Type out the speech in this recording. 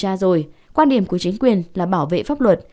tra rồi quan điểm của chính quyền là bảo vệ pháp luật